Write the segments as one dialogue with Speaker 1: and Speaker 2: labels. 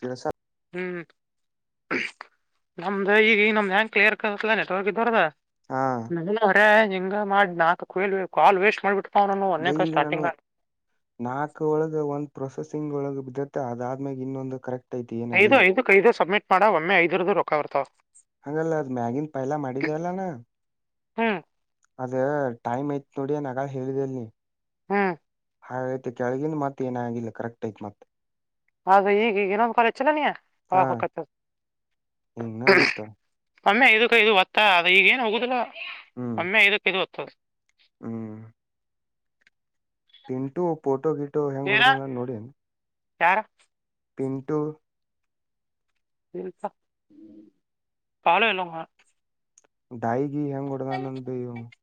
Speaker 1: ಕೆಲಸ
Speaker 2: ಹ್ಮ್ ನಮ್ದು ಈಗ ನಮ್ದ್ ಹ್ಯಾಂಗ ಕ್ಲಿಯರ್ ಕಲ್ತಲಾ ನೆಟ್ವರ್ಕ್ ಇದವ್ರ್ದ.
Speaker 1: ಹಾ
Speaker 2: [unintelligible] ಹಿಂಗ ಮಾಡಿ ನಾಲ್ಕ ಕುಲ್ ಕಾಲ್ ವೇಸ್ಟ್ ಮಾಡ್ಬಿಟ್ಟ
Speaker 1: ಬೈ ಈಗ ನಾನು ನಾಕ ಒಳಗೆ ಒಂದ್ ಪ್ರೊಸೆಸ್. ತಿಂಗ್ಳೊಳಗೆ ಬಿದ್ದತ್ತೆ ಅದಾದ್ಮೇಲೆ ಇನ್ನೊಂದು ಕರೆಕ್ಟ್ ಐತಿ
Speaker 2: ಐದು
Speaker 1: ಏನಾಗಿಲ್ಲ
Speaker 2: ಐದಕ್ ಐದು ಸಬ್ಮಿಟ್ ಮಾಡ ಒಮ್ಮೆ ಐದುರ್ದು ರೊಕ್ಕ ಬರ್ತಾವ.
Speaker 1: ಹಂಗಲ್ಲ ಅದ್ ಮ್ಯಾಗಿನ್ ಪೈಲ ಮಾಡಿದ್ಯಲ್ಲಾನ.
Speaker 2: ಹ್ಮ್
Speaker 1: ಅದೇ ಟೈಮ್ ಐತ್ ನೋಡಿ ನಗಾ ಹೇಳಿದೆಲ್ ನೀ.
Speaker 2: ಹ್ಮ್
Speaker 1: ಆಯ್ತು ಕೆಳಗಿಂದ ಮತ್ ಏನ ಆಗಿಲ್ಲ ಕರೆಕ್ಟ್ ಐತ್ ಮತ್.
Speaker 2: ಅದು ಈಗ ಈಗ ಇನ್ನೊಂದು [unintelligible]
Speaker 1: ಉನ್ನ ಮತ್ತ.
Speaker 2: ಒಮ್ಮೆ ಇದಕ್ಕೆ ಇದು ಒತ್ತ ಅ ಈಗ ಏನು ಹೋಗುದಿಲ್ಲ
Speaker 1: ಹ್ಮ್
Speaker 2: ಒಮ್ಮೆ ಇದಕ್ಕೆ ಇದು ಓದತ್ತದ.
Speaker 1: ಹ್ಮ್ ಪಿಂಟು ಪೋಟ ಗೀಟ್
Speaker 2: ಏನ ಯಾರು?
Speaker 1: ಪಿಂಟು
Speaker 2: [unintelligible]
Speaker 1: ಡಾಯ್ಗಿ ಹೆಂಗ್ ಹೊಡ್ದ ನಂದ್ [unintelligible]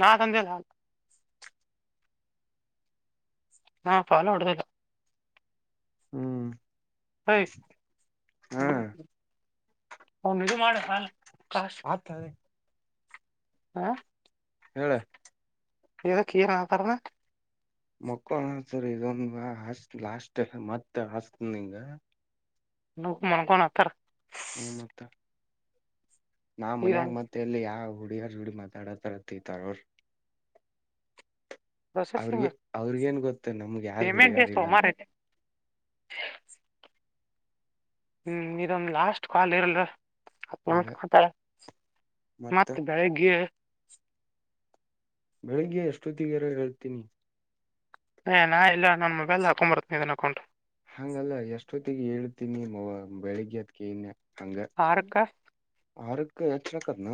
Speaker 2: ನಾ ತಂದೆಲ್ಲ. ಹಾ ಫಾಲ ಹೊಡ್ದೌ
Speaker 1: ಹ್ಮ್
Speaker 2: ಹ್ಮ್
Speaker 1: ಹಾ
Speaker 2: ಹ ಅವನ್ ಇದು ಮಾಡ [unintelligible]
Speaker 1: ಆತ
Speaker 2: ಹಾ
Speaker 1: ಹೇಳ
Speaker 2: ಇದಕ್ಕೇನು ನಾತಣ
Speaker 1: ಮಕ್ಕಳಸರ್ ಇದೊಂದ ಹ ಲಾಸ್ಟ್ ಮತ್ತ ಹಸ್ತಿಂಗ
Speaker 2: ನ ಮನಕೋಣ ಹತ್ರ
Speaker 1: ಹ ಮತ್ತ ನಾ
Speaker 2: ಇದ
Speaker 1: ಮನ್ಯಾಗ ಮತ್ತೆ ಎಲ್ಲಿ ಯಾವ ಹುಡುಗಿಯರ ಜೋಡಿ ಮಾತಾಡಥರತ್ತತಾರರ್
Speaker 2: ಪ್ರೊಸೆಸಿಂಗ್
Speaker 1: ಅವ್ರಿಗೆ ಅವ್ರಿಗೇನ್ ಗೊತ್ತ ನಮ್ಗೆ ಯಾರು
Speaker 2: ಪೇಮೆಂಟ್ ಡೇ
Speaker 1: ಹುಡಿಯಾರಿಲ್ಲ
Speaker 2: ಸೋಮಾರ
Speaker 1: ಅಂತ
Speaker 2: ಐತೆ [inaudible] ಹ್ಮ್ ಇದೊಂದ್ ಲಾಸ್ಟ್ ಕಾಲ್ ಇರಲ್ರ
Speaker 1: ಅದ
Speaker 2: ಅತ್ತಾರೆ
Speaker 1: ಮತ್ತ
Speaker 2: ಮತ್ತೆ ಬೆಳಿಗ್ಗೆ
Speaker 1: ಬೆಳಿಗ್ಗೆ ಎಷ್ಟೊತ್ತಗರ ಹೇಳ್ತೀನಿ
Speaker 2: ಏ ನಾ ಇಲ್ಲ ನನ್ ಮೊಬೈಲ್ ಹಾಕೊಂಡ್ ಬರ್ತನಿ ಇದನ್ ಅಕೌಂಟ್
Speaker 1: ಹಂಗಲ್ಲ ಎಷ್ಟೊತ್ತಿಗೆ ಹೇಳ್ತೀನಿ ಮ ಬೆಳಿಗ್ಗೆ ಅದಕನ್
Speaker 2: ಹಾರ್ಕ್ಕ
Speaker 1: ಹಾರ ಕ ಅಚರಕ ನ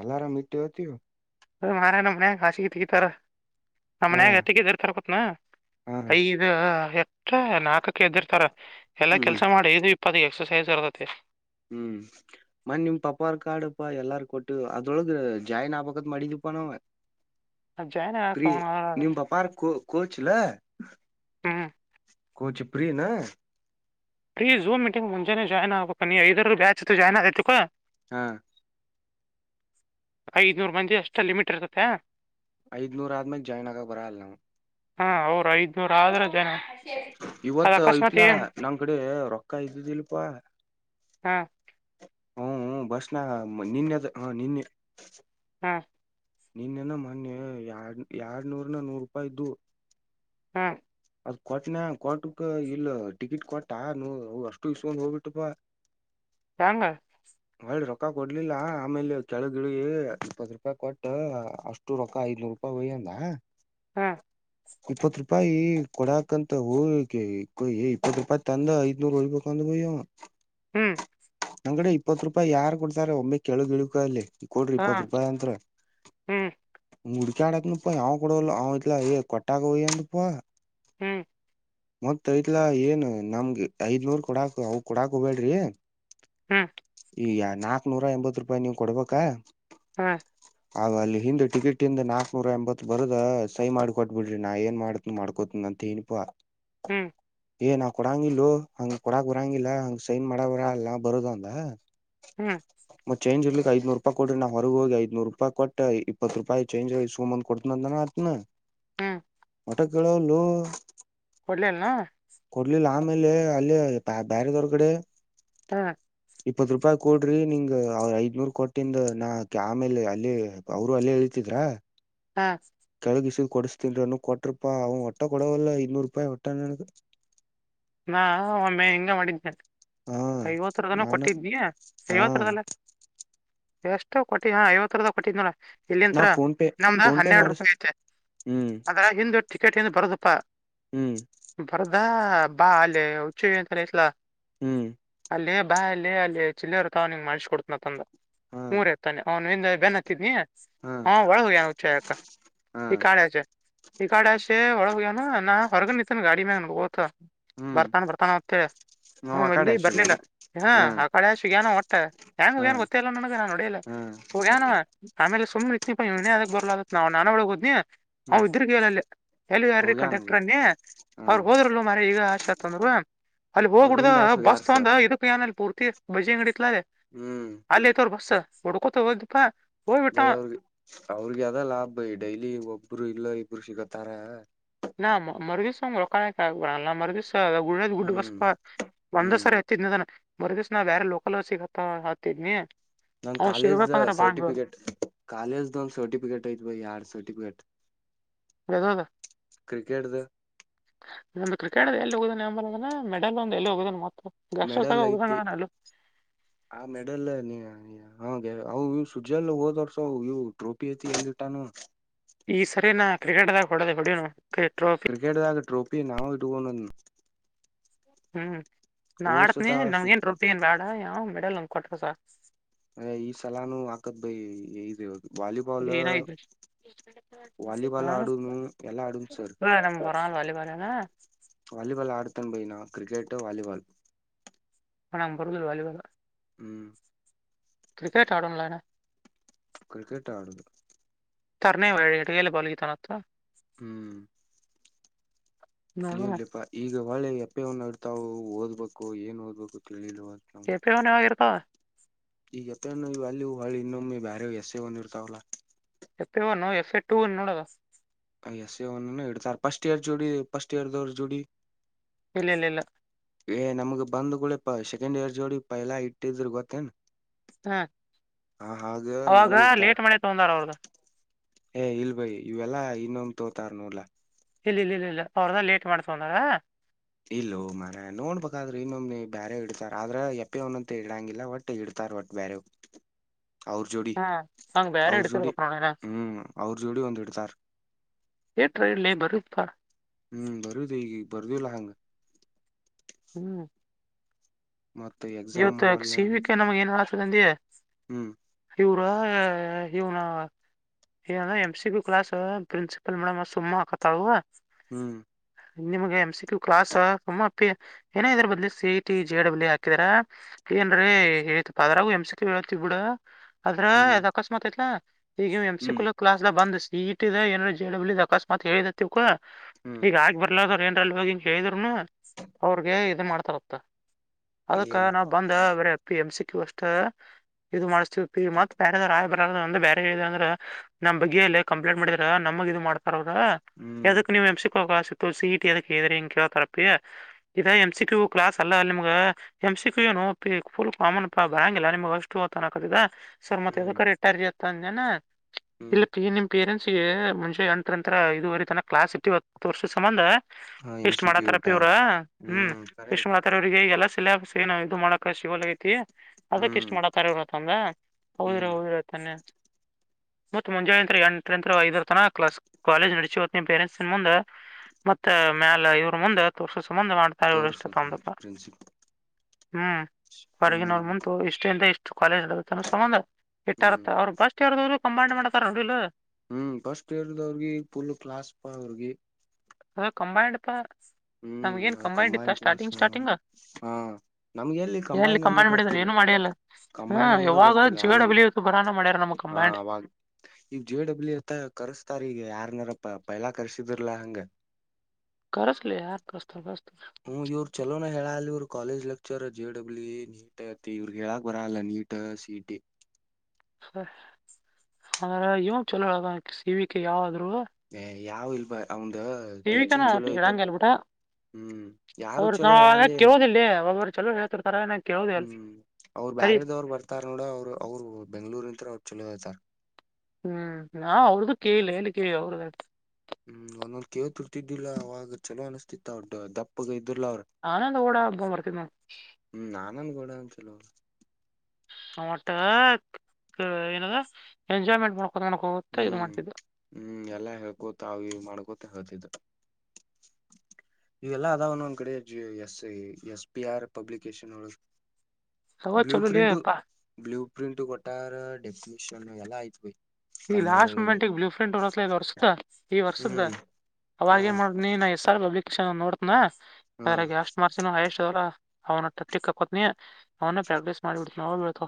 Speaker 1: ಅಲಾರಾಮ ಇಟ್ಟೆ
Speaker 2: ಅ ಮಾರ ನಮ್ಮನ ಕಾಸಿತರ ನಮ್ಮ
Speaker 1: ಹಾ
Speaker 2: ಮನ್ಯಾಗ ಹತ್ತಿಗೆ ಎದಿರ್ತಾರ ಕೊತ್ನಾ
Speaker 1: ಹಾ
Speaker 2: ಐದ ಎಷ್ಟ ನಾಲ್ಕಕ್ಕೆ ಎದಿರ್ತಾರ ಎಲ್ಲ
Speaker 1: ಹ್ಮ್
Speaker 2: ಕೆಲ್ಸ ಮಾಡಿ ಇದು ಇಪ್ಪಾದಿಗೆ ಎಕ್ಸಸೈಜ ಇರ್ತತಿ
Speaker 1: ಹ್ಮ್ ಮನ್ ನಿಮ್ ಪಪಾರ್ ಕಾಡಪ್ಪಾ ಎಲ್ಲಾರ ಕೊಟ್ಟು ಅದ್ರೊಳಗ್ ಜಾಯ್ನ್ ಆಬಕತ್ ಮಾಡಿದ ನ
Speaker 2: ಜಾಯ್ನ್
Speaker 1: ಪ್ರೀ ನಿ
Speaker 2: ಆಗಕ್
Speaker 1: ಬ ಪಾಾರ್ ಕ ಕಚ್ಲ
Speaker 2: ಹ್ಮ್
Speaker 1: ಕೋಚ್ ಪ್ರಿ ನ
Speaker 2: ಫೀ ಝಮ್ ಮೀಟಿಂಗ ಮುಂಜೆ ಜಾಯನ್ ಆಗ್ಬೇಕ ನೀ ಐದರರು ಬ್ಯಾಚ್ಜಾಯ್ನ್ ಆಗೈತಾ
Speaker 1: ಹಾ
Speaker 2: ಐದನೂರು ಮಂದಿ ಅಷ್ಟು ಲಿಮಿಟ್ ಇರ್ತತ್ತ
Speaker 1: ಐದ್ನೂರ ಆದ್ಮಾಗೆ ಜಾಯ್ನ್ ಆಗಕ್ ಬರ ಅಲ್ಲ ನಾವು
Speaker 2: ಹಾ ಅವ್ರ ಐದ್ನೂರ ಆದ್ರ ಜಾಯ್ನ್ ಅದ್
Speaker 1: ಇವತ್ತು
Speaker 2: ಅಕಸ್ಮಾತ್
Speaker 1: ಇಟ್ಲಾ
Speaker 2: ಏನ್
Speaker 1: ನಮ್ ಕಡೆ ರೊಕ್ಕ ಇದ್ದಿದ್ದಲ್ಪಾ
Speaker 2: ಹಾ
Speaker 1: ಹ್ಮ್ ಬಸ್ಣ ನಿನ್ನೆದು ಹ ನಿನ್ನೆ
Speaker 2: ಹಾ
Speaker 1: ನಿನ್ನೆನ ಮೊನ್ನೆ ಎಡ್ ಎಡ್ನೂರನ ನೂರ್ ರೂಪಾಯಿ್ದು
Speaker 2: ಹ್ಮ
Speaker 1: ಅದ್ ಕೊಟನೆ ಕೋರ್ಟಕ್ ಇಲ್ಲಿ ಟಿಕೆಟ್ ಕೊಟ್ಟ ಅಷ್ಟು ಇಸ್ಕಂದು ಹೋಗ್ಬಿಟ್ಟಪ್ಪಾ [inaudible]
Speaker 2: ಯಂಗ
Speaker 1: ಹೇಳಿ ರೊಕ್ಕ ಕೊಡ್ಲಿಲ್ಲ ಆಮೇಲೆ ಕೆಳ ಗಿಳ ಇಪ್ಪತ್ ರೂಪಾಯಿ ಕೊಟ್ಟ ಅಷ್ಟು ರೊಕ್ಕ ಐ್ನೂರು ರೂಪಾಯಿ ಒಯಂತಾ
Speaker 2: ಹಾ
Speaker 1: ಇಪ್ಪತ್ ರೂಪಾಯಿ ಕೊಡಾಕಂತ ಹ ಇಪ್ಪತ್ ರೂಪಾಯಿ ತಂದ ಐದ್ನೂರ್ ಹೊಗ್ಬೇಕಂದ್ರ ವಯಂ
Speaker 2: ಹ್ಮ್
Speaker 1: ನಂಗ್ಡೆ ಇಪ್ಪತ್ತು ರೂಪಾಯಿ ಯಾರ್ ಕೊಡ್ತಾರೆ ಒಮ್ಮೆ ಕೆಳುಗಿಳು ಅಲ್ಲಿ ಕೊಡ್ರಿ
Speaker 2: ಹಾ
Speaker 1: ಇಪ್ಪತ್ ರೂಪಾಯಿ ಅಂತತ್ರ
Speaker 2: ಹ್ಮ್
Speaker 1: ಮುಡಿಕ ಆಡಕ್ಕಪ್ಪ ಅವನ್ ಕಡಲ್ಲ ಅವ್ ಇಲಏ ಕೊಟ್ಟಾಗ ಒಯ್ಯಾುಪ್ಪಾ
Speaker 2: ಹ್ಮ್
Speaker 1: ಮತ್ಐತ್ಲಾ ಏನ್ ನಮ್ಗೆ ಐದ್ನೂರ್ ಕೊಡಾಕ್ ಅವ ಕೊಡಾಕ್ ಹಬೇಡ್ರಿ
Speaker 2: ಹ್ಮ್
Speaker 1: ಈಗ ನಾಕ್ ನೂರ ಎಂಬತ್ ರೂಪಾಯಿ ನೀವ್ ಕೊಡ್ಬೇಕಾ
Speaker 2: ಹಾ
Speaker 1: ಅವ ಅಲ್ಲಿ ಹಿಂದ ಟಿಕೆಟ್ ಇಂದ ನಾಕಕ್ನೂರ ಎಂಬತ್ ಬರುೋದ ಸೈ ಮಾಡ್ಕೊಟ್ಬ ಬಿಡ್ರಿ ನಾ ಏನ್ ಮಾಡತ್ನ ಮಾಡ್ಕೋತನ ತೀನಿಪ
Speaker 2: ಹ್ಮ್
Speaker 1: ಏ ನಾವ್ ಕೊಡಂಗಲ್ಲು ಹಂಗ್ ಕೊಡಾಕ್ ಕೊರಂಗಿಲ್ಲ ಹಂಗ ಸೈನ್ ಮಾಡರ ಎಲ್ಲಾ ಬರುದ ಅಂದ
Speaker 2: ಹ್ಮ್
Speaker 1: ಮತ್ತ್ ಚೇಂಜಲ್ಲಿ ಐದನೂರು ರೂಪಾಯ ಕೊ್ರಿ ನಾ ಹೊರಗ ಹೋಗ ಐದನೂರು ರೂಪಾಯಿ ಕೊಟ್ಟ ಇಪ್ಪತ್ ರೂಪಾಯಿ ಚಂಜ್ ಸುಮ್ನ್ ಕೊಡ್ತ [unintelligible]
Speaker 2: ಹ್ಮ್
Speaker 1: ಮಟಕಾಲಲೋ
Speaker 2: ಕೊಡ್ಲೇನ್ನ
Speaker 1: ಆಮೇಲೆ ಅಲ್ಲಿ ಬ್ಯರೆದವರ್ ಕಡೆ
Speaker 2: ಹ್ಮ
Speaker 1: ಇಪ್ಪತ್ ರೂಪಾಯಿ ಕೊಡ್ರಿ ನಿಂಗ ಅವ ಐದ್ನೂರ್ ಕೊಟ್ಟಿಂದ ನಾ ಆಮೇಲೆ ಅಲ್ಲಿ ಅವರು ಅಲ್ಲೇ ಇಳತಿ ಆಂದ್ರ
Speaker 2: ಹಾ
Speaker 1: ಕೆಳಗ್ ಇಸ ಕೊಡಿಸಸ್ತನ್ರ ಕೊಟ್ಟ ರೂಪಾ ಅವ ಹೊಟ್ಟ ಕೊಡವಲ್ಲ ಇನ್ನೂರು ರೂಪಾಯಿ ಹೊಟ್ಟ ನನಗ್
Speaker 2: ನಾ ಒಮ್ಮೆ ಹಿಂಗ ಮಾಡಿದ್ದೇನೆ
Speaker 1: ಹಾ
Speaker 2: ಐವತ್ತರದನ
Speaker 1: ನಾನು
Speaker 2: ಕೊಟ್ಟಿದ್ನಿ
Speaker 1: ಹಾ
Speaker 2: ಐವತ್ತರದಲ್ಲ ಎಷ್ಟೋ ಕೊಟ್ಟಿದಾ ಐವತ್ತರದ ಕೊಟ್ಟಿದ್ನಳ
Speaker 1: ನಾ
Speaker 2: ಇಲ್ಲಿಂತ್ರ
Speaker 1: ಫೋನ್ ಪೇ
Speaker 2: ನಮ್ದ
Speaker 1: ಫೋನ್ ಪೇ
Speaker 2: ಹನ್ನೆರಡು
Speaker 1: ಮಾಡಸ
Speaker 2: ರೂಪಾಯಿ ಐತೆ
Speaker 1: ಹ್ಮ್
Speaker 2: ಅದ್ರ ಹಿಂದಟ್ಟ ಕ್ರಿಕೆಟ್ ಬರದಪ್ಪಾ
Speaker 1: ಹ್ಮ್
Speaker 2: ಬರದ ಬಾ ಅಲ್ಲೇ ಹುಚ್ಚ ಅಂತಸ್ಲಾ
Speaker 1: ಹ್ಮ್
Speaker 2: ಅಲ್ಲಿಬಾ ಅಲ್ಲಿ ಅಲ್ಲಿ ಚಿಲ್ಲರು ತಾವ ನಿ ಮಾಡಸ ಕೊಡ್ತನ ಅ ತಂದ
Speaker 1: ಹಾ
Speaker 2: ಮೂಊರ ಹತಾನೆ ಅವ್ನು ಹಿಂದ ಬೆನ್ ಹತ್ತಿದನಿ
Speaker 1: ಹಾ
Speaker 2: ಹ್ ಒಳಗ್ಯ ಉಚ್ಚಾಯಕ
Speaker 1: ಹಾ
Speaker 2: ಹಿಕಾಡೆ ಹಿಕಾಡೆಚ ಒಳನು ನ ಹೊರಗ ಗಾಡಿ ಮತ
Speaker 1: ಹ್ಮ್
Speaker 2: ಬರ್ತಾನ ಬರ್ತಾನ ಉತ್ತೆ
Speaker 1: ನಾವ್
Speaker 2: ಹ್
Speaker 1: ಆ
Speaker 2: ಅಲ್ಲಿ
Speaker 1: ಕಡೆ
Speaker 2: ಬರ್ಲಿಲ್ಲ
Speaker 1: ಶುಗಾನ
Speaker 2: ಹಾ ಆ ಕಳೆ ಶುಗಾನ ಒಟ್ಟ
Speaker 1: ಹಾ
Speaker 2: ಹೆಂಗಗನ್ ಗೊತ್ತೇ ಇಲ್ಲ ನನಗೆ ನಾನ್ ಹೊಡಿಲ್ಲ
Speaker 1: ಹಾ
Speaker 2: ಹೋಗ್ಯಾನ ಆಮೇಲೆ ವನೇ ಅದ ಬರ್ಲ ಅತ್ ನಾವ್ ನಾನ ಒಳಗೆ ಹದನಿ
Speaker 1: ಹ್ಮ್
Speaker 2: ಅವ್ ಇದ್ರಗಲ್ಲಿ ಎಲ್ಲಿ ಯಾರೀ
Speaker 1: ಹೋಗ್ಯಾನ ಹೋಗಿ
Speaker 2: ಕಂಡಕ್ಟರ್ನ್ನಿ
Speaker 1: ಹಾ
Speaker 2: ಅವ್ರಿಗೆ ಹೋದ್ರರು ಈಗ ಆಶಾ ತಂದ್ರ ಅಲ್ಲಿ
Speaker 1: ಅವ್ರ
Speaker 2: ಹೋಗ್ಬಿಡ್ದ
Speaker 1: ಹಿಂದ
Speaker 2: ಬಸ್
Speaker 1: ಶುಗ್ಯಾರ್
Speaker 2: ತೊಂದ
Speaker 1: ಸರ್
Speaker 2: ಇದಕ್ಕೆ ಏನಲ್ಲಿ ಪೂರ್ತಿ ಬಜಿ ಅಂಗಡಿ
Speaker 1: ಹ್ಮ್
Speaker 2: ಅಲ್ಲ ಐತವರು ಬಸ್ಸ ಹೊಡ್ಕೊತ ಹೋಗಂತೀಪಾ
Speaker 1: ಬೈ ಅವ್ರಿಗೆ ಅವ್ರಿಗೆ ಅದ ಲಾಭ ಭೈ ಡೈಲಿ ಒಬ್ಬರು ಇಲ್ಲ ಇಬ್ಬರು ಸಿಗತ್ತಾರ
Speaker 2: ನಾ ಮರದಿ ಸಂಗ [unintelligible] ರೊಲ್ಲ ಮದ ಗುಳ್ಳ ಗುಡ್ ಬಸ್ಪ
Speaker 1: ಹ್ಮ್
Speaker 2: ಒಂದ
Speaker 1: ಹ್ಮ್
Speaker 2: ಸರಿ ಹತ್ತಿದ್ದನದ ಬರದಸ ನ ಬ್ಯಾರೆ ಲೋಕಲ್ ಸಿತ್ತ ಹತ್ತದ ನೀ
Speaker 1: ನನ್ ಕಾಲೇಜ್ ಸರ್ಟಿಫಿಕೇಟ್ ಕಾಲೇಜ್ದ ಒಂದ್ ಸರ್ಟಿಫಿಕೇಟ್ ಐ್ವ ಯಾರ್ ಸರ್ಟಿಫಿಕೇಟ್
Speaker 2: ಗದದ
Speaker 1: ಕ್ರಿಕೆಟ್ದ
Speaker 2: ಕ್ರಿಕೆಟ್ ಎಲ್ಲಿ ಹೋಗದ ಎಂಬ ಮೆಡಲ್ ಒಂದು ಎಲ್ಲಿ ಹೋಗೋದನ್ ಮಾತ್ರ
Speaker 1: ಮೆಡಲ್ ಐತಿ ಆ ಮೆಡಲ್ ನೀ ಈ ಹ ಅವು ಇವ್ ಸುಜೆಲ್ಲ ಹೋದ್ವರ್ಸ ಇವು ಟ್ರೋಪಿ ಐತಿ ಎಲ್ಲಿಟಾನ
Speaker 2: ಈ ಸರಿನಾ ಕ್ರಿಕೆಟ್ ಅದಾಗ ಹೊಡೋದ ಹೊಡನು
Speaker 1: ಕ್ರಿಕೆಟ್ದಾಗ ಟ್ರೋಫಿ ನಾವು ಇಟ್ಕೊಂಡೊಂಡ
Speaker 2: ಹ್ಮ್ ನಾ ಆಡ್ತನಿ ನಂಗ ಏನ್ ರೊಟ್ಟಿ ಏನ್ ಬೇಡ ಯಾವ ಮೇಡಲ್ ನಂಗ ಕೊಟ್ರಸ
Speaker 1: ಅದೇ ಈ ಸಲಾನು ವಾಕಬ್ಬ ಇದೆವ
Speaker 2: ಏನಾಗ ಹ
Speaker 1: ವಾಲಿಬಾಲ್
Speaker 2: ಹ
Speaker 1: ಆಡುನು ಎಲ್ಲಾ ಆಡುನ್ ಸರ್
Speaker 2: ನ ಪ್ರಾಣ ಬ
Speaker 1: ವಾಲಿಬಾಲ್ ಆಡ್ತನ್ ಬಿಡಿ ಕ್ರಿಕೆಟ್ ವಾಲಿಬಾಲ್
Speaker 2: ಹಣ ಬರುದಲ್ಿ
Speaker 1: ಹ್ಮ್
Speaker 2: ಕ್ರಿಕೆಟ್ ಆಡಲಣ
Speaker 1: ಕ್ರಿಕೆಟ್ ಆಡುದು.
Speaker 2: [unintelligible]
Speaker 1: ಹ್ಮ್.
Speaker 2: ನೋಡು
Speaker 1: ಏನ್ಲಿಪಾ ಈಗ ಹಾಳೆ ಎಪ್ಪೆ ಒನ್ ಅಡ್ತಾವು ಓದ್ಬೇಕು ಏನ್ ಓದ್ಬೇಕು ತಿಳಿಲ್ವ.
Speaker 2: ಎಫ್ ಎ ಒನ್ ಯಾವಾಗ ಇರ್ತಾವ
Speaker 1: ಈ ಎತ್ತನ ಈ ವ್ಯಾಲ್ಯೂ. ಒಳ ಇನ್ನೊಮ್ಮೆ ಬೇರೆ ಎಸ್ಸೇ ಒಂ ದು ಇರ್ತಾವ್ಲ್ಲಾ
Speaker 2: F A one F A two ಅನ್ ನೋಡ ದು
Speaker 1: ಎಸ್ ಒನನ್ನು ಇಡ್ತಾರೆ ಫಸ್ಟ್ ಇಯರ್ ಜೋಡಿ ಫಸ್ಟ್ ಇಯರ್ ದವರು ಜೋಡಿ
Speaker 2: ಇಲ್ಲ ಇಲ್ಲ ಇಲ್ಲ
Speaker 1: ಏ್ಮ್ಗ್ ಬಂದ್ಗಳ ಇಪ್ಪಾ ಸೆಕೆಂಡ್ ಇಯರ್ ಜೋಡಿ ಇಪ್ಪಾ ಎಲ್ಲಾ ಇಟ್ಟಿದರು ಗೊತ್ತೇನ್
Speaker 2: ಹ್ಮ
Speaker 1: ಆ ಹಾಗ
Speaker 2: ಅವಾಗ
Speaker 1: ನಮ್ಗೂ ಇಡ್ತಾರ
Speaker 2: ಲೇಟ್ ಮನೆೆ ತಗೊಂಡಾರ ಅವ್ರ್ದ
Speaker 1: ಏ ಇಲ್ ಭೈ ಇವೆಲ್ಲಾ ಇನ್ನೊಂದು ತೋತಾರ್ ನೋಡ್ಲಾ
Speaker 2: ಇಲ್ಲ ಇಲ್ಲ ಇಲ್ಲ ಇಲ್ಲ ಅವ್ರದ ಲೇಟ್ ಮಾಡ್ಸನಾರ
Speaker 1: ಇಲ್ಲ ಮರ ನೋಡ್ಬೇಕಾದ್ರರು ಇನ್ನೊಮ್ನೆ ಬೇರೆ ಇಡ್ತಾರ ಆದ್ರ ಎಪ್ಪೆ ಒನಂತ ಇಡಂಗಿಲ್ಲ ಒಟ್ಟೆ ಇಡ್ತಾರೆ ವಟ್ಬಾರ [inaudible] ಅವ್ರ ಜೋಡಿ
Speaker 2: ಹಂಗ್ ಬೇರೆ
Speaker 1: ಅವರು ಜೋಡಿ
Speaker 2: ಇಡ್ತಿರ್ಬೇಕ ನೋಡಣ
Speaker 1: ಹ್ಮ್ ಅವ್್ರ ಜೋಡಿ ಒಂದು ಎಡ್ತಾರ್
Speaker 2: ೇಟ್ರ ಇಲ್ಲಿ ಬರುಪ್ಪಾ
Speaker 1: ಹ್ಮ್ ಬರದು ಈ ಬರದಲ್ಲ ಹಂಗ
Speaker 2: ಹ್ಮ್
Speaker 1: ಮತ್ತ ಎಕ್ಸಾಮ್
Speaker 2: ಇವತ್ತು
Speaker 1: ಹಾಲ್ನಾಗ
Speaker 2: ಸಿವಿಕ ನಮಗ ಏನ ಆಸ ಅಂದ [inaudible]
Speaker 1: ಹ್ಮ್
Speaker 2: ಇೂರ ಹನ [inaudible] ಏ M C B class principal madam ಸುಮ್ಮ್ ಹಾಕತ್ತ
Speaker 1: ಹ್ಮ್
Speaker 2: ನಿಮ್ಗೆ ಎಮ ಸಿ ಕು ಕ್ಲಾಸ್ ತಮ್ಮ ಅಪ್ಪಿ ಏನ ಇದ್ರ ಬದ್ಲಿ ಸಿ ಟಿ ಜೆ ಡಬ್ಲ್ಯ ಹಾಕಿದಾರ ಏನ್್ರೀ ಪದರಾಗು ಹಂಸಕ್ಕೆ ಹೇಳತಿ ಬಿಡ [inaudible] ಆದದ್ರ
Speaker 1: ಹ್ಮ್
Speaker 2: ಅದ್ ಅಕಸ್ಮಾತ್ ಐತ್ತಾ ಈಗ ಎಮ್ ಸಿ
Speaker 1: ಹ್ಮ್
Speaker 2: ಕಲ ಕ್ಲಾಸ್ ಬಂದಸ್ತ ಈಟಿದ ಏನ್ ಜಳ ಬಿಳಿದ್ ಅಕಸ್ಮಾತ್ ಹೇಳಿದತಿವ ಕ
Speaker 1: ಹ್ಮ್
Speaker 2: ಈಗ ಆಗ್ ಬರ್ಲದ ಏನ್ರಲ್ ಹೋಗಿಂಗ ಕ ಹೇಳಿದ್ರುನು ಅವ್ರಗೆ ಇ ಮಾಡ್ತಾರತ್ತ ಅದಕ್ಕ
Speaker 1: ಏನ್
Speaker 2: ನಾವವು ಬಂದ ಬೇರೆ ಪಿ ಎಮ್ ಸಿ ಕ ಅಸ್ ಇದು ಮಾಡಸ್ತೀವಿ ಪಿ ಮತ್ ಪ್ಯಾರದ [inaudible] ಬೇರೆ ಹೇಳ ಅ್ರ ನಮ್ಮ ಬಗ್ಗೆಯಲ್ಲಿ ಕಂಪ್ಲೇಂಟ್ ಮಾಡಿದ್ರ ನಮಗ ಇದು ಮಾಡ್ ದಾ
Speaker 1: ಹ್ಮ್
Speaker 2: ಎದಕ್ ನೀವು್ ಹೆಸ ಕ್ಾತ್ತು ಸಿಟಿ ಅದಕ್ಕೆದ್ರ ಕ ತರಪ ಇದ ಎಮ ಸಿ ಕ್ಲಾಸ್ ಅಲ್ಲ ಅ ನಿಮಗೆ ಎಂ ಸಿ ಕಯುನು ಫುಲ್ ಕಾಮನ್ ಬ್ಯಾಂಗಿಲ್ಲಾ ನಿಮಗ್ ಅಷ್ಟು ತಾನಕತಿದ ಸರ್
Speaker 1: ಹ್ಮ್
Speaker 2: ಮತ್ತತ್ದಕ್ಕ ರಿಟೈರ್ ಇತ್ತ ಅಂದ
Speaker 1: ಹ್ಮ್
Speaker 2: ಇ ನಿಮ್ ಪೇರೆಂಟ್ ಮುಂಜೆ ಅಂಟರಂತತ್ರ ಇದುವರೆ ತನ್ನ ಕ್ಲಾಸ್ ಇಟ್ಟ ಹತ್ತು ವರ್ಷದ ಸಂಬಂಧ
Speaker 1: ಹಾ ಎಂ
Speaker 2: ಇಷ್ಟ್
Speaker 1: ಸಿ ಕ್ಯೂ
Speaker 2: ಮಾಡತಾರಪ್ಪ
Speaker 1: ಟಾರ್
Speaker 2: ಇವ್ರ ಹ್ಮ್ ಇಷ್ಟ್ ಮಾಡ್ತಾರ ಇವ್ರಿಗೆ ಎಲ್ಲ ಸಿಲ ಸೇ ನಾವು ಇದು ಮಾಡಕ ಶಿವಾಲ ಐತಿ ಅದಕ್ಕೆ
Speaker 1: ಹ್ಮ್
Speaker 2: ಎಷ್ಟು ಮಾಡತಾರ ಇರತ್ತ ಅಂದ ಹೌದಿರ
Speaker 1: ಹ್ಮ್
Speaker 2: ಹೌದಿರ ತಾನೆ
Speaker 1: [unintelligible]
Speaker 2: ಮತ್ ಮುಂಜಾನೆೆಯಂತ್ರ ಎಂಟಂತ್ರ ಐದರ ತನ ಕಲಾಸ್ ಕಾಲೇಜ್ ನಡಸಿವತ್ ನಿಮ್ ಪೇರೆಂಟ್ಸ್ ಮುನಾ ಮತ್ತೆ ಮ್ಯಾಲ ಇವ್ರ ಮುಂದೆ ಹವತ್ತು ವರ್ಷ ತುಂದ ಮಾಡ್ತಾ ಇರು ಎಷ್ಟ
Speaker 1: ತೋರ್ಸತ
Speaker 2: ತಂದಪ್ಪ
Speaker 1: ಪ್ರಿನ್ಸಿಪ
Speaker 2: ಹ್ಮ್
Speaker 1: ಹ್ಮ್
Speaker 2: ಹೊರಗಿನವ್ರು ಮುಂತು ಇಷ್ಟು ಕಾಲೇಜ್ ಸಂಬಂ ಇಟ್
Speaker 1: ಹ್ಮ್
Speaker 2: ಆರುತ್ತೆ ಅವ್ರು ಬಸ್ಟ್ರು ಕಂಬ್ ಮಾಡತ ನೋಡಿ
Speaker 1: ಹ್ಮ್ ಫಸ್ಟ್ ಇಯರ್ದ ಅವ್ರಗ ಫುಲ್ ಕ್ಲಾಸ್ ಪ ಅವ್ರಿ
Speaker 2: ಅ ಕಂಬೈಂಡ್ಪ್ಪ
Speaker 1: ಹ್ಮ್
Speaker 2: ನಮ್ಗ ಏನ್
Speaker 1: ಅದು
Speaker 2: ಕಂಬೈಂಡ್
Speaker 1: ಕಂಬೈನ್
Speaker 2: ಇತ್ತ
Speaker 1: ಕ್ಲಾಸ್
Speaker 2: ಸ್ಟಾರ್ಟಿಂಗ್ ಸ್ಟಾರ್ಟಿಂಗ್
Speaker 1: ಹಾ ನಮ್ಗೆ ಎಲ್ಲಿ ಕಂಬೈನ್ ಅನ್ನೋದು
Speaker 2: ಕಂಬೈಂಡ್ ಮಾಡಿದ್ರ
Speaker 1: ಗೊತ್ತಿಲ್ಲ
Speaker 2: ಏನು ಮಾಡಿಲ್ಲ ಹಾ
Speaker 1: ಕಂಬೈನ್ ಅನ್ನೋದು
Speaker 2: ಯಾವಾಗ
Speaker 1: ಗೊತ್ತಿಲ್ಲ
Speaker 2: ಜಿಗಡ
Speaker 1: ಆಮೇಲೆ
Speaker 2: ಬಲಿಯದು ಬರಾನ ಮಾಡ್ಯಾರ ನಮ್ಮ
Speaker 1: ಹಾ
Speaker 2: ಕಂಬೈಂಡ್
Speaker 1: ಅವಾಗ ಈವ ಜೆ ಡಬ್ಲ್ಯೂ ಎತ್ತ ಕರೆಸ್ತಾರ ಈಗ ಯಾರ್ನಾರಪ್ಪ ಪಹಲ ಕರ್ಸಿದರ್ಲ ಹಂಗ
Speaker 2: ಕಸಲಿ ಯಾರ ಕಷ್ಟತ ಕಷ್ಟತ
Speaker 1: ಈಚಾರ ಜೆ ಡಬ್ಲ್ಯೂ ನೀಟ್ ಐತಿ ಇವ್ರಗ್ ಹೇಳಕ್ ಬರಲ್ಲ ನೀಟ್ ಸಿ ಈ ಟಿ
Speaker 2: ಸರಿ ಆದ್ರೆ ಇವಾಗ ಚಲೋ ಸಿವಿಕ ಯಾವ್ರು
Speaker 1: ಯಾವ್ ಇಲ್ಬ ಅವಂದ ಟೀಚಿಂಗ್ ಚಲೋ ಐತೆ ಹ್ಮ್ ಯಾರು
Speaker 2: ಅವರು
Speaker 1: ಚಲೋ
Speaker 2: ನಾವ
Speaker 1: ಹೇಳಂಗಗೆ ಇಲ್ಲ
Speaker 2: ಕೇಳುದಲ್ಲಿ ಒಬ್ಬರು ಚಲೋ ಹೇಳ್ತರ ತರ ನಾ ಕೇಳುದು ಎಲ್
Speaker 1: ಬ್ಯಾರದವ್ರು ಬರ್ತಾರ ನೋಡ ಅವ್ರು ಅವ್ರು ಬೆಂಗಳೂರು ಇಂತ್ರ ಅವ್ರು ಚಲೋ ಐತಾರ
Speaker 2: ಹ್ಮ್ ನಾ ಅವ್ರದ್ದು ಕೇಳಿ ಎಲ್ಲಿ ಕೇಳಿ ಅವ್ರದತ
Speaker 1: ಹ್ಮ್ ಒಂದೊಂದ್ ಕೇವ್ ತುರ್ತಿದ್ದಿಲ್ಲ ಅವವಾಗ ಚಲೋ ಅನಿಸತಿತ್ತಾ ದೊಡ್ಡ ದಪ್ಪಗೈ
Speaker 2: ಹ ನಂದು ಓಡಬ್ಬ್ ಬರ್ತ ನ
Speaker 1: ನನ್ ಗೂಡ ಅ ಚಲ
Speaker 2: ಬಟ್ ಏನದು ಎಜಾಯ್ಮೆಂಟ್ ಬ
Speaker 1: ಹ್ಮ್ ಹ್ಮ್ ಎಲ್ಲಾ ಹೇಳ್ಕೋತ ಅವ ಇವ್ ಮಾಡ್ಕೊತ ಹೇಳ್ತಿದರು [inaudible] ಇವೆಲ್ಲ ಅದಾವನ್ ಒಂದ್ ಕಡೆ ಜ S S P R publication ಒಳ
Speaker 2: ಅವಾಗ
Speaker 1: ಬ್ಲೂ ಪ್ರಿಂಟ
Speaker 2: ಚಲೋಲಿಪಾ
Speaker 1: ಬ್ಲೂ ಪ್ರಿಂಟ್ ಕೊಟ್ಟಾರ ಡೆಫಿನಿಷನ್ ಎಲ್ಲ ಆಯ್ತ್ ಬೈ
Speaker 2: ಈ ಲಾಸ್ಟ್
Speaker 1: ಕನ್ನಡೊಳಗೆ
Speaker 2: ಮುಮೆಂಟ್ಗ್ ಬ್ಲೂ ಫ್ರಿಂಟ್ ಹೊರತ್ತ ಈ ವರ್ಸದ ಈ ವರ್ಸದ್ದ
Speaker 1: ಹ್ಮ್ ಹಾ
Speaker 2: ಅವಾಗ ಏನ್ ಮಾಡೋ ನೀ ನಾ ಎಸ್ಸರ್ ಬಬ್ಲಿ ನೋಡತನ ಅದಾಗ
Speaker 1: ಹ್ಮ್
Speaker 2: ಎಷ್ಟ್ ಮಾಡಾರ್ತಿನ ಎಷ್ಟ್ ಅವ್ರ ಅವನುಟ್ಟತ್ತಿಕ್ಕಕೋತನಿ ಅವನೇ ಪ್ರಾಕ್ಟೀಸ್ ಮಾಡಿ ಬಿಡ್ತಿನಿ ಅವ ಬಿಡತು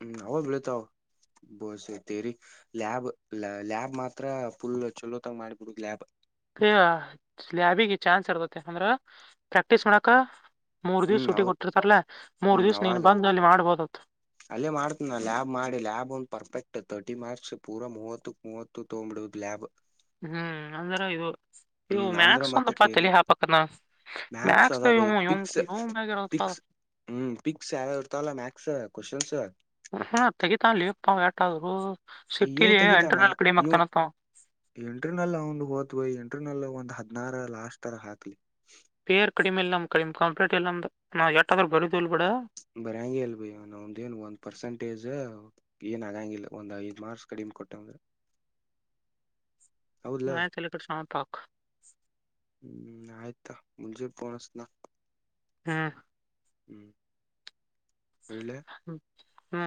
Speaker 1: ಹ್ಮ್ ಹ ಬೆಳತಾವ ಬಸ್ತೇರಿ ಲ್ಯಾಬ್ ಲ್ಯಾಬ್ ಮಾತ್ರ ಫುಲ್ ಚಲೋ ತಾಗ ಮಾಡಿಬಿಡುದು ಲ್ಯಾಬ್
Speaker 2: ಸ ಲಾಬಿಗೆ ಚಾನ್ಸ್ ಇರ್ತತೆ ಅಂದ್ರ ಪ್ರಾಕ್ಟೀಸ್ ಮಾಡಕ ಮೂರ್ ದಿವ್ಸ
Speaker 1: ಹ್ಮ್
Speaker 2: ಸುಟ್ಟಿ
Speaker 1: ಅವ್ರ
Speaker 2: ಕೊಟ್ಟಿರ್ತಾರಲ ಮೂರ್
Speaker 1: ಹ್ಮ್
Speaker 2: ದಿವ್ಸ ನೀನ್
Speaker 1: ಅವಾಗ
Speaker 2: ಬಂದ್ ಅಲ್ಲಿ ಮಾಡ್ಬೋದ
Speaker 1: ಅಲ್ಲೇ ಮಾಡ್ತನ ಲ್ಯಾ ಮಾಡಿ ಲಾಬ್ ಒಂದಂದು ಪರ್ಫೆಕ್ಟ್ ತರ್ಟಿ ಮಾರ್ಕ್ಸ್ ಪೂರಾ ಮೂವತ್ತ ಮೂವತ್ತು ತ ಬ್ಲೂ ಲಾಬ್
Speaker 2: ಹ್ಮ್ ಅಂದಾರ ಇದು ಇವು
Speaker 1: ಹ್ಮ್ ಅಂದ್ರ
Speaker 2: ಮ್ಯಾಕ್ಸ್
Speaker 1: ಮತ್ತೆ
Speaker 2: ಒಂದಪ್ಪ
Speaker 1: ತೇರಿ
Speaker 2: ತಿಳ ಹಾಪಕ್ಕ ನ
Speaker 1: ಮ್ಯಾಥ್ಸ್
Speaker 2: ಮ್ಯಾಕ್ಸ್
Speaker 1: ಅದ ಬೈ ಪಿಕ್ಸ್ ಪಿಕ್ಸ್ ಹ್ಮ್ ಪಿಕ್ಸ್ ಯಾವ ಇರ್ತಲ್ಲ ಮಾತ್ಸ್ ಕ್ವೆಸ್ಷನ್ಸ್
Speaker 2: ಮ್ಮ್ ತೆಗಿತ್ತಾಳೆಪ್ಪ [unintelligible]
Speaker 1: ಇವು ತೆಗಿತಾನ ಇವು ಎಂಟ್ರನಲ್ ಒಂದು ಹೋದ್ ಎಂಟ್ರನಲ್ ಒಂದು ಹ ನಾರ ಲಾಸ್ಟ್ರ ಹಾಕ್ಲಿ
Speaker 2: ಪೇರ್ ಕಡಿಮೆಲ್ಲಮ್ಮ ಕಡಿಮೆ ಕಂಪ್ಲೇಟ್ ಇಲ್ಲ ಅಂದ ನಾವು ಎಷ್ಟಾದ್ರರು ಬರದುಲ್ ಬೇಡ
Speaker 1: ಬರಂಗಗೆ ಅಲ್ ಭ ನ ಒಂದಏನ್ ಒಂದ್ ಪರ್ಸೆಂಟೇಜ್ ಏನ್ ಆಗಂಗಿಲ್ಲ ಒಂದ್ ಐದೂ ಮಾರ್ಕ್ಸ್ ಕಡಿಮೆ ಕೊಟ್ಟಂದ
Speaker 2: ಆಯ್ತ್ ತಲೆ ಕೆಡ್ಸ್ಕೋಬೇಡ ಶಾಮ ಪಾಕ್
Speaker 1: ಹ್ಮ್ ಆಯತಾ ಮುಜೆ ಪನಸನಾ
Speaker 2: ಹ್ಮ
Speaker 1: ಹ್ಮ್ ಇಡ್ಲೆ
Speaker 2: ಹ್ಮ ಹ್ಮ್